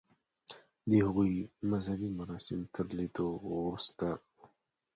د هغوی مذهبي مراسم تر لیدو وروسته.